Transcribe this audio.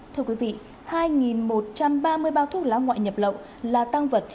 thưa quý vị hai một trăm ba mươi bao thuốc lá ngoại nhập lậu là tăng vật